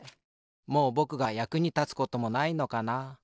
もうぼくがやくにたつこともないのかな。